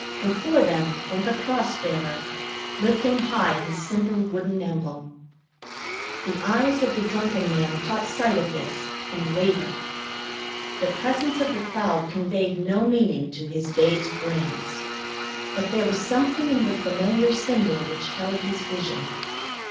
Before them went the cross bearer, lifting high his simple wooden emblem. [Illustration: HE GRASPED A RAILING TO STEADY HIMSELF] The eyes of the drunken man caught sight of this, and wavered. The presence of the crowd conveyed no meaning to his dazed brains. But there was something in the familiar symbol which held his vision.